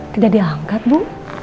tidak diangkat bu